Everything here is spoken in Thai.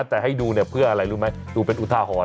แต่ให้ดูเนี่ยเพื่ออะไรรู้ไหมดูเป็นอุทาหรณ